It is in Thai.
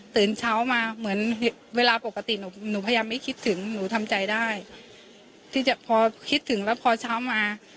ตื่นเช้ามาเหมือนเวลาปกติหนูพยายามไม่คิดถึงหนูทำใจได้ที่จะพอคิดถึงแล้วพอเช้ามา